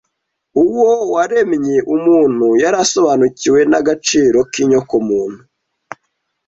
Uwari yararemye umuntu, yari asobanukiwe n’agaciro k’inyokomuntu.